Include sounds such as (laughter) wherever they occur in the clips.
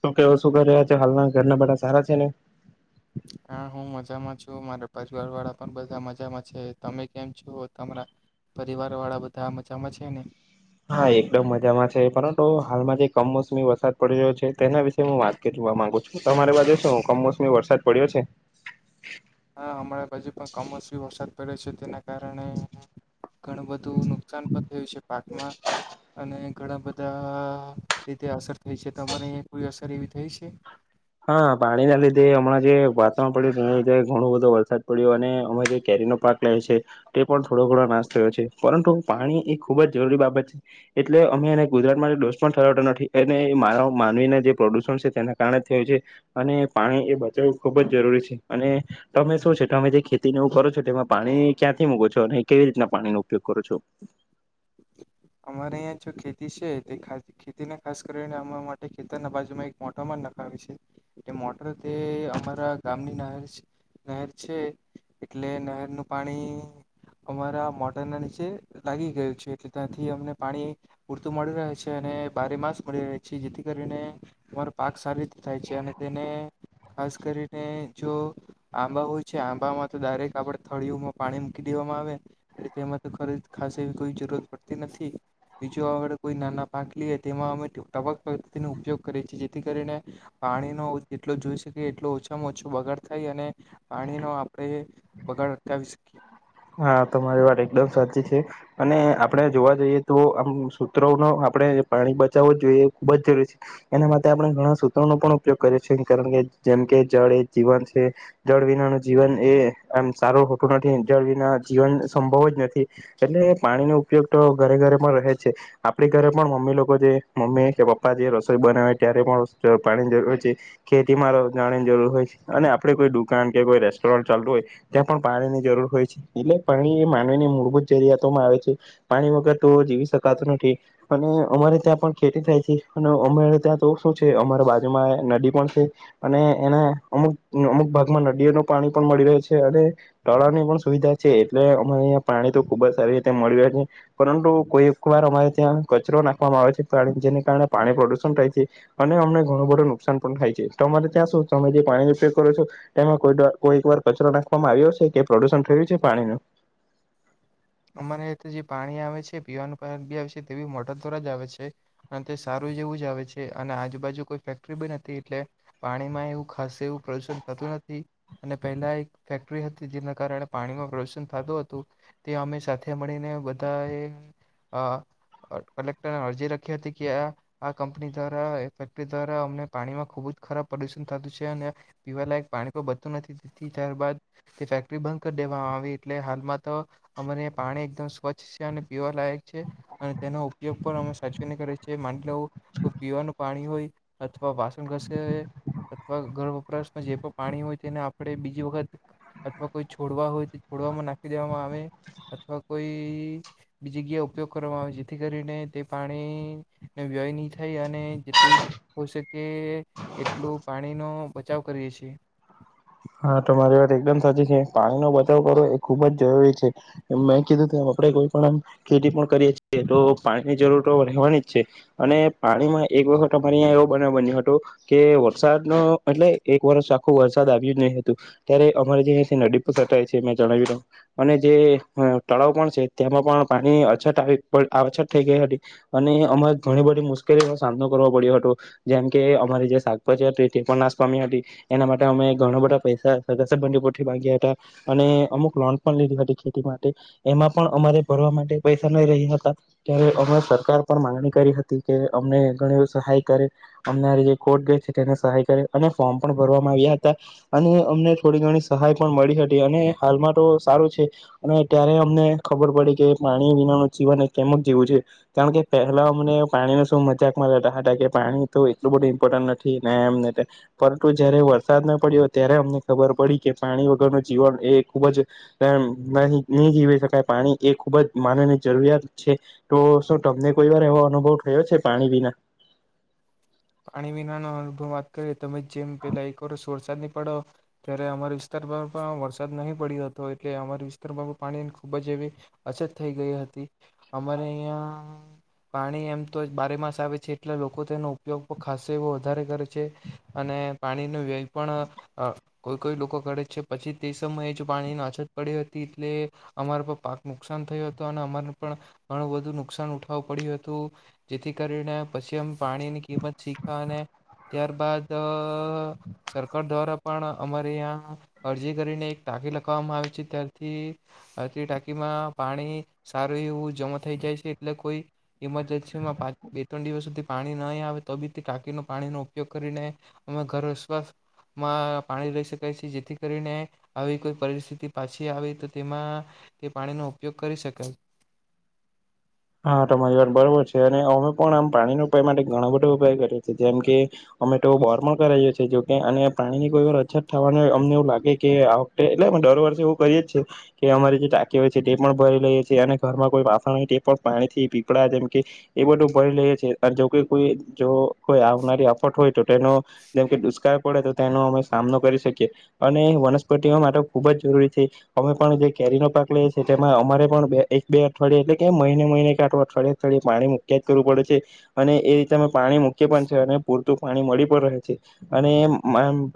શ કેવો શું કર રહ્યા? હાલના ઘરના બટા સારા છે ને? હા હું મજામાં છું મારા પરિવાર વાળા પણ બધા મજામાં છે તમે કેમ છો તમારા, પરિવાર વાળા બધા મજામાં છે ને? હા એકદમ મજામાં છે પરંતુ હાલમાં જે કમોસમી વરસાદ પડી રહ્યો છે તેના વિશેે હું વાત કરવા માંગુ છું તમારે વાસે શું કમોસમી વરસાદ પડ્યો છે? પડે છે તેને કારણે, ઘણું બધું નુકસાન પણ થયું છે, પાકમાં અને ઘણા બધા રીતે અસર થઈ છે તમારે અહીંયા કોઈ અસર એવી થઈ છે? હા પાણીના લીધે હમણાં જે વાતાવરણ પડ્યું તેના લીધે ઘણો બધો વરસાદ પડ્યો અને અમે જે કેરીનો પાક લે છે, તે પણ થોડો ઘણો નાશ થયો છે, પરંતુ પાણી એ ખૂબ જ જરૂરી બાબત છે, એટલે અમે એને જે દોષ પણ થયો હતો નથી અને મા માનવીને જે પ્રદુષણ છે તેના કારણે થયું છે, અને પાણી એ બચાવવું ખૂબ જ જરૂરી છે, અને તમે શું છે તમે જે ખેતીને એવું કરો છો તે એમાં પાણી ક્યાંથી મૂકો છો અને કેવી રીતના પાણીનો ઉપયોગ કરો? અમારે અહં જો ખેતી છે તે ખેતીને ખાસ કરીને અમા માટે ખેતરના બાજુમાં એક મોટરમાં નખાવી છે, એ મોટર તે અમારા ગામની નહેર નહેર છે, એટલે નહેરનું પાણી અમારા મોટર ના નીચે લાગી ગયું છે, એ ત્યાંથી અમને પાણી પૂરતું મળી રહે છે અને બારે માસ મળી રહે છે જેથી કરીને અમારો પાક સારી રીતે થાય છે અને તેને ખાસ કરીને જો આંબા હોય છે આંબામાં તો ડાયરેક આપણે થળીઓમાં પાણી મૂકી દેવામાં આવે એટલે તેમાં તો ખરી ખાસ એવી કોઈ જરૂરત પડતી નથી બીજું આગળ કોઈ નાના પાક લીએ તેમાં અમેક પદ્ધતિનો ઉપયોગ કરીએ છીએ જેથી કરીને, પાણીનો જેટ જોઈ શકીએ એટલો ઓછામાં ઓછો બગાડ થાય અને, પાણીનો આપણે બગાડ અટાવી શકીએ. હા તમા મારી વાત એકદમ સાચી છે અને આપણે જોવા જઈએ તો આમ સૂત્રો ન આપડણે પાણી બચાવવું જ જોઈએ એ ખુબ જ જરૂરી છે એના માટે આપણે ઘણા સૂત્રો નો પણ ઉપયોગ કરીએ છીએ કારણ કે જેમ કે જળ એ જીવન છે જળ વિનાનું જીવન એ આમ સારું હોતું નથી જળ ના જીવન સંભવ જ નથી, એટલે પાણીનો ઉપયોગ તો ઘરે ઘરે પણ રહે જ છે, આપડી ઘરે પણ મમ્મી લોકો જે મમ્મી કે પપ્પા જે રસોઈ બનાવે ત્યારે પણ પાણીની જરૂર હોય છે, ખેતીમાં જાણીની જરૂર હોય છે અને આપડે કોઈ દુકાન કે કોઈ રેસ્ટોરન્ટ ચાલતું હોય, ત્યાં પણ પાણીની જરૂર હોય છે. એટલે પાણી એ માનવીની મૂળભૂત જરૂિયાતોમાં આવે છે, પાણી વગર તો જીવી શકાતો નથી, અને અમારે ત્યાં પણ ખેતી થાય છે અને અમારે ત્યાં તો શું છે અમારા બાજુમાં નદી પણ છે, અને એના અમુક અમુક ભાગમાં નદીઓ ન પાણી પણ મળી રહે છે અને, તળાની પણ સુવિધા છે એટલે અમારે અહીં પાણી તો ખુબ જ સારી રીતે મળ્યું છે, પરંતુ કોઈ એક વાર અમારે ત્યાં કચરો નાખવામાં આવે છે જેને કારણે પાણી પ્રદુષણ થાય છે, અને અમને ઘણું બધું નુકસાન પણ થાય છે, તો અરે ત્યાં શું તમે જે પાણી ર ઉપયોગ કરો છો, તેમાં કોઈ કોઈ એક વાર કચરો નાખવામાં આવ્યો છે કે પ્રદુષણ થયું છે? પાણી નું. અમારે જે પાણી આવે છે પીવાનું પાણી બી આવે છે તે બ મોટર દ્વારા જ આવે છે, અને તે સારું જેવું જ આવે છે અને આજુબાજુ કોઈ ફેક્ટરી બી નથી, એટલે પાણીમાં એવું ખાસ એવું પ્રદુષણ થતું નથી, અને પહેલા એક ફેક્ટરી હતી જેના કારણે પાણીમાં પ્રદુષણ થતું હતું. તે અ સાથે મળીને બધાએ કલેક્ટરને અરજી રાખી હતી કે આ આ કંપની દ્વારા ફેક્ટરી દ્વારા અમને પાણીમાં ખુબ જ ખરાબ પ્રદુષણ થતું છે અને, પીવાલાયક પાણી બતું નથી, ત્યારબદ તે ફેક્ટરી બંધ કરી દેવામાં આવી એટલે હાલમાં તો પાણી સ્વચ્છ છે અને પીવા લાયક છે, અને તેનો ઉપયોગ પણ અમે સાચવીને કરએ છ, છેએ મા લું પીવાનું પાણી હોય, અથવા વાસણ ઘસે અથવા ગર્ભ વપરાશ જે પણ પાણી હોય તેને આપણે બીજી વખત અથવા કોઈ છોડવા હોય છોડવામાં નાખી દેવામાં આવે. અથવા કોઈ બી જગ્યા ઉપયોગ કરવામાં આવે જેથી કરીને તે પાણીનો વ્યય નહી થાય અને જેટલું હો શકે એટલું પાણીનો બચાવ કરીએ છે. હા તમારી વાત એકદમ સાચી છે પાણીનો બચાવ કરવો એ ખુબ જ જરૂરી છે, મેં કીધું ત આપણે કોઈ પણ ખેતી પણ કરીએ છીએ તો પાણીની જરૂર તો રહેવાની જ છે, અને પાણીમાં એક વખત અમારે અંયા એવો બ બન્યું હતો, કે વરસાદ ન એટલે એક વર્ષ આખો વરસાદ આવે. ત્યારે અમારે જે નદી પર સટાય છે મે જણાવી, રહ અને જે તળાવ પણ છે તે્યામાં પણ પાણી અછત આવી અછત થઈ ગઈ હતી, અને અમારે ઘણી બધી મુશ્કેલીનો સામનો કરવો પડ્યો હતો, જેમકે અમારે જે શાકભાજી હતી તે પણ નાશ પામી હતી, એના માટે અમે ઘણા બધા પૈસા સગા સંબંધીઓથી માંગ્યા હતા, અને અમુક લોન પણ લીધી હતી, ખેતી માટે એમાં પણ અમારે ભરવા માટે પૈસા નહી રહ્યા હતા, ત્યારે અમે સરકાર પણ માંગણી કરી હતી કે, અમને ઘણી સહાય કરે અમ જે કોર્ટ (inaudible) તેને સહાય કરે અને ફોર્મ પણ ભરવામાં આવ્યા હતા. અને અમને થોડી ઘણી સહાય પણ મળી હતી, અને હાલમાં તો સારું છે. અને ત્યારે અમને ખબર પડી કે, પાણી વિનાનું જીવન એ કેમ જ જીવું છે. કારણ કે પહેલા અમને પાણીને શું મજાકમાં લેતા હતા કે, પાણી તો એટલું બધું ઇમ્પોર્ટન્ટ નથી ને એમ તેમ પરંતુ જયારે વરસા વરસાદ ન પડ્યો ત્યારે અમને ખબર પડી કે, પાણી વગરનું જીવન એ ખૂબ જ નહી જીવી શકાય. પાણી એ ખૂબ જ માનવની જરૂરિયાત છે. તો શું તમને કોઈ વાર એવો અનુભવ થયો છે. પાણી વિના? પાણી વિના નો અનુભવ વાત કરીએ તમે જેમ પેલા એક વરસાદ ને પડો ત્યારે અમારા વિસ્તારમાં પણ વરસાદ નહીં પડ્યો હતો, એટલે અમારા વિસ્તારમાં પણ પાણી ખૂબ જ એવી અછત થઈ ગઈ હતી. અમારે અહં પાણી એમ તો બારે માસ આવે છે એટલે લોકો તેનો ઉપયગ ખાસ એવો વધારે કરે છે. અને પાણીનો વ્યય પણ કોઈ કોઈ લોકો કરે છે. પછી તે સમયે જ પાણીની અછત પડી હતી, એટલે અમારા પર પાક નુકસાન થયું હતૂં અને અમારેને પણ ઘણું બધું નુકસાન ઉઠાવું પડ્યું હતું. જેથી કરીને પછી અમે પાણીની કિંમત શીખા અને ત્યારબાદ સરકાર દ્વારા પણ અમારે ત્યાં અરજી કરીને એક ટાંકી લખાવવામાં આવી છે. ત્યારથી, આ તે ટાંકીમાં પાણી સારું એવું જમા થઈ જાય છે. એટલે કોઈ ઇમરજન્સીમાં પાંચ બે ત્રણ દિવસ સુધી પાણી નહીં આવે તો બી ટાકીનો પાણીનો ઉપયોગ કરીને, અમે ઘર વસવામાં પાણી લઈ શકાય છે. જેથી કરીને આવી કોઈ પરિસ્થિતિ પાછી આવી તો તેમાં તે પાણીનો ઉપયોગ કરી શકાય. હા તમારી વાત બરોબર છે. અને અમે પણ આમ પાણીનો ઉપાય માટે ઘણો બધો ઉપાય કરીએ છીએ. જેમ કે, અમે તો બોર પણ કરાવએ છીએ જો કે અને પાણી ની કોઈ વાર અછત થવાનું અમને એવું લાગે કે, આ વખતે એટલેમે દર વર્ષે એવું કરીએ જીએ કે અમારી જે ટાકી હોય છે તે પણ ભરી લઈએ છીએ, અને ઘરમાં કોઈ વાસણ હોય તે પાણીથી પીપળા જેમકે એ બધું ભરી લઈએ છીએ. અને જોકે કોઈ જો, કોઈ આવનારી આફટ હોય તો તેનો જેમકે દુષ્કાળ પડે તો, તેનો અમે સામનો કરી શકીએ. અને વનસ્પતિઓ માટે ખુબ જ જરૂરી છે. અમે પણ જે કેરીનો પાક લઈએ છીએ તેમાં અમારે પણ બે એક બે અઠવાડિયાે એટ કે મહિને મહિને કે આખુ અઠવાડિયે થળે પાણી મૂક્યા જ કરવું પડે છે. અને એ રીતે અમે પાણી મૂકીએ પણ છે. અને પૂરતું પાણી મળી પણ રહે છે. અને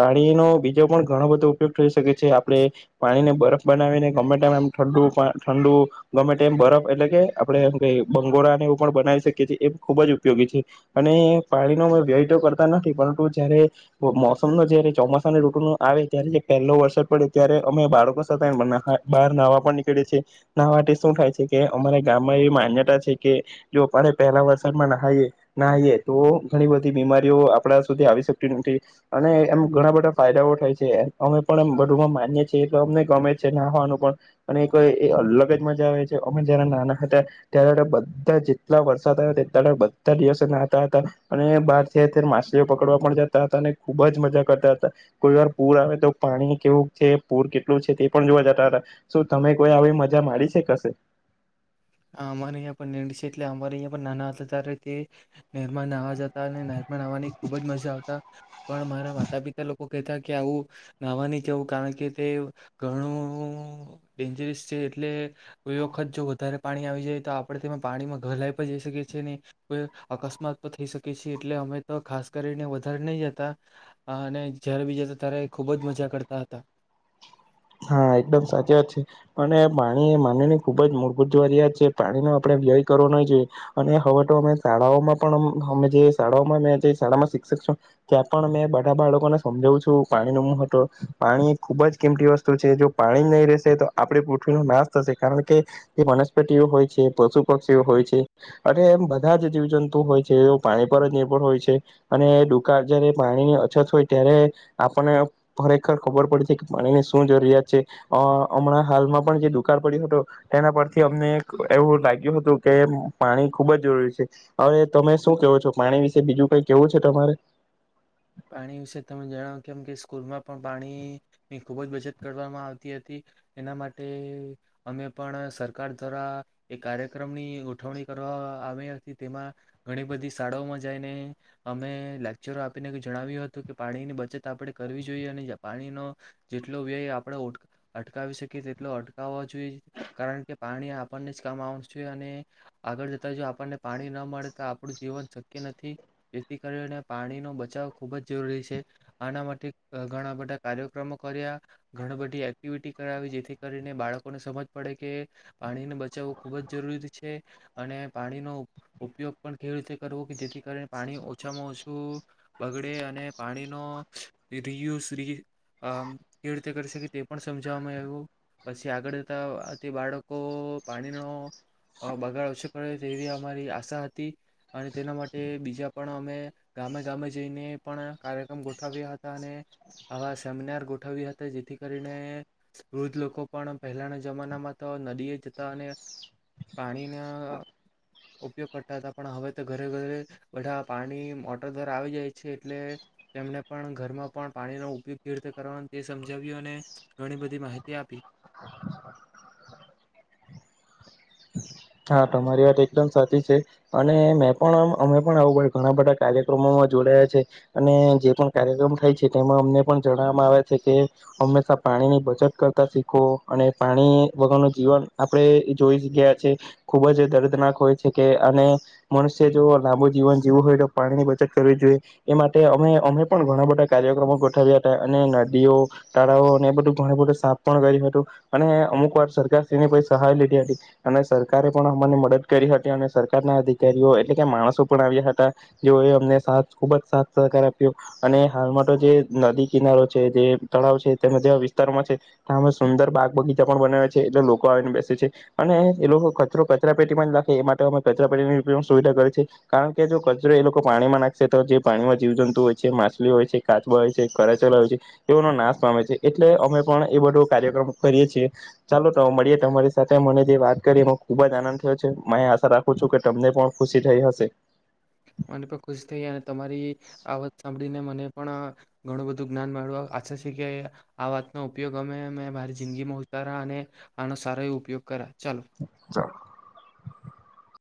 પાણીનો બીજો પણ ઘણો બધો ઉપયોગ થઈ શકે છે. આપણે પાણીને બરફ બનાવીને ગમે ટાઈમ ઠંડ ઠંડુ ગમે ટાઈમ બરફ એટલે કે આપણે એમ કે બંગોરાને એવું પણ બનાવી શકીએ છીએ. એ ખુબ જ ઉપયોગી છે. અને પાણીનો તો વ્યય તો કરતા નથી. પરંતુ જયારે મોસમનો જયારે ચોમાસા અને ઋતુ નો આવે ત્યારે જે પહેલો વરસાદ પડે ત્યારે, અમે બાળકો સાથે બહાર નહાવા પણ નીકળે છીએ. નહવા માટે શું થાય છે? કે અમારા ગામમાં એવી માન્યતા છે કે જો, આપણે પહેલા વરસાદમાં નાહએ નાએ તો ઘણી બધી બીમારીઓ આપણા સુધી આવી શકતી નથી. અને એમ ઘણા બધા ફાયદાઓ થાય છે. અમે પણ એમ બધુંમાં માનીએ છીએ અમને ગમે છે. નાહવાનું પણ અને અલગ જ મજા આવે છે. અમે જારે નાના હતા ત્યારે, બધા જેટલા વરસાદ આવે તેટલા બધા દિવસે નાહતા હતા. અને બહાર માછલીઓ પકડવા પણ જતા હતા. અને ખુબ જ મજા કરતા હતા. કોઈ વાર પૂર આવે તો પાણી કેવું છે? પૂર કેટલું છે? તે પણ જોવા જતા હતા. શું તમે કોઈ આવી મજા માણી શે કશે? અમારે અહંયા પણ નિર છે. એટલે અમારે અહંયા પણ નાના હતા ત્યારે, તે નિર્મા નાવા જતા. અને નાનપણ આવવાની ખુબ જ મજા આવતા. પણ મારા માતા પિતા લોકો કહેતા કે આવું નાહવા નહી જવું. કારણ કે, તે ઘણું ડેન્જરિસ છે. એટલે કોઈ વખત જો વધારે પાણી આવી જાય તો આપણે તેમાં પાણીમાં ઘલાઈ પણ જઈ શકીએ છીએ, ને કોઈ અકસ્માત પણ થઈ શકીએ છીએ, એટલે અમે તો ખાસ કરીને વધારે નહી જતા. અને જય્યારે બી જતા ત્યારે ખુબ જ મજા કરતા હતા. હા! એકદમ સાચી વાત છે. અને પાણી એ માનવની ખુબ જ મૂળભૂત જવારિયાત છે. પાણીનો આપણે વ્યય કરવો ન જોઈએ. અને હવે તો અમે શાળાઓમાં પણ અમે જે શાળાઓમાં જે શાળામાં શિક્ષક છ ત્યાં પણ, અમે બધા બાળકોને સમજાવું છું પાણી ન હતો પાણી ખુબ જ કિંમતીસ્તુ ઓ તો છે. જો પાણી નહી રહેશે તો આપે પૃથ્વીનો નાશ થશે કારણ કે, જે વનસ્પતિઓ હોય છે, પશુ પક્ષીઓ હોય છે, અને એમ બધા જ જીવજંતુ હોય છે. પાણી પર જ નિર્ભર હોય છે અને દુકાળ જયારે પાણીની અછત હોય ત્યારે આપણને ખરેખર ખબર પડે છે કે, પાણીની શું શું જરૂરિયાત છે? અ હમણાં હાલમાં પણ જે દુકાળ પડ્યું હતો તેના પરથી અમને એવું લાગ્યું હતું કે, પાણી ખુબ જ જરૂરી છે. હવે તમે શું કેવો છો? પાણી વિશે બીજું કઈ કેવું છે તમારે? પાણી વિશે તમે જણાવો કેમ કે સ્કૂલમાં પણ પાણીની ખુબ જ બચત કરવામાં આવતી હતી. એના માટે અમે પણ સરકાર દ્વારા એક કાર્યક્રમની ઉઠવણી કરવા આવી હતી. તેમાં ઘણી બધી શાળાઓમાં જઈને અમે લેક્ચરો આપીને જણાવ્યું હતું કે પાણીની બચત આપણે કરવી જોઈએ. અને પાણીનો જેટલો વ્યય આપણે અટકાવી શકીએ, તેટલો અટકાવવાો જોઈએ, કારણ કે પાણી આપણને જ કામ આવવાનુ છે. અને આગળ જતા જો આપણને પાણી ન મળે તો, આપણું જીવન શક્ય નથી. જેથી કરીને પાણીનો બચાવ ખૂબ જ જરૂરી છે. આના માટે ઘણા બધા કાર્યક્રમો કર્યા, ઘણી બધી એક્ટિવિટી કરાવી, જેથી કરીને બાળકોને સમજ પડે કે, પાણીને બચાવવું ખૂબ જ જરૂરી છે. અને પાણીનો ઉપયોગ પણ ખેડૂતે કરવો કે, જેથી કરીને પાણી ઓછામાં ઓછું બગડે અને પાણીનો રિયુઝ રી કેવી રીતે કરી શકે તે પણ સમજાવવામાં આવ્યું. પછી આગળ જતા તે બાળકો પાણીનો બગાડ ઓછો કરે તેવી અમારી આશા હતી. અને તેના માટે બીજા પણ અમે ગામે ગામે જઈ ને પણ કાર્યક્રમ ગોઠવ્યા હતા. અને આવા સેમિનાર ગોઠવ્યા હતા. જેથી કરીને વૃદ્ધ લોકો પણ, પહેલાના જમાનામાં તો નદીએ જતા અને પાણીના ઉપયોગ કરતા હતા, પણ હવે તો ઘરે ઘરે બધા પાણી મોટર દ્વારા આવી જાય એટલે તેમને પણ ઘરમાં પણ પાણીનો ઉપયોગ કેવી રીતે કરવાનો તે સમજાવ્યું. અને ઘણી બધી માહિતી આપી. હા! તમારી વાત એકદમ સાચી છે. અને મેં પણ અમે પણ આવું ઘણા બધા કાર્યક્રમોમાં જોડાયા છે. અને જે પણ કાર્યક્રમ થાય છે તેમાં અમને પણ જણાવવામાં આવે છે કે, હંમેશા પાણીની બચત કરતા શીખો અને પાણી વગરનું જીવન આપણે જોઈ ગયા છે. ખુબ જ દર્દનાક હોય છે કે, અને મનુષ્ય જો લાંબુ જીવન જીવું હોય તો, પાણીની બચત કરવી જોઈએ. એ માટે અમે અમે પણ ઘણા બધા કાર્યક્રમો ગોઠવ્યા હતા. અને નદીઓ તાળાવો અને એ બધું ઘણ બધું સાફ પણ કર્યું હતું. અને અમુક વાર સરકાર શ્રીની સહાય લીધી હતી. અને સર સરકારે પણ અને મદદ કરી હતી. અને સરકાર ના અધિકારીઓ એટલે કે માણસો પણ આવ્યા હતા. જે એ અમને સાથ ખુબ જ સાથ સહકાર આપ્યો, અને હાલમાં તો જે નદી કિનારો છે, જે તળાવ છે, તેના જેવા વિસ્તારોમાં છે અમે સુંદર બાગ બગીચા પણ બનાવે છે, એટલે લોકો આવીને બેસે છે. અને એ લોકો કચરો કચરા પેટીમાં જ નાખે એ માટે અમે કચરા પેટીની સુવિધા કરીએ છેીએ, કારણ કે જો કચરો એ લોકો પાણીમાં નાખશે, તો જે પાણીમાં જીવ જંતુ હોય છે. માછલી હોય છે, કાચબા હોય છે, કરચલા હોય છે, એઓનો નાશ પામે છે. એટલે અમે પણ એ બધો કાર્યક્રમ કરીએ છીએ. ચાલો તો મળીએ, તમારી સાથે મને જે વાત કરી ખુબ જ આનંદ થયો છે. આશા રાખું છું કે, તમને પણ ખુશી થઈ હશે. મને પણ ખુશ થઈ. અને તમારી આ વાત સાંભળીને મને પણ ઘણું બધું જ્ઞાન મળ્યું આચા છે કે, આ વાતનો ઉપયોગ અમે મે મારી જિંદગીમાં ઉતારા અને આનો સારો એવો ઉપયોગ કરા. ચાલો! (inaudible)